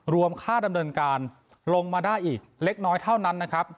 ค่าดำเนินการลงมาได้อีกเล็กน้อยเท่านั้นนะครับ